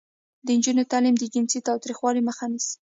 د نجونو تعلیم د جنسي تاوتریخوالي مخه نیسي.